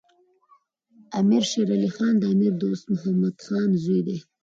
امیر شیر علی خان د امیر دوست محمد خان زوی دی.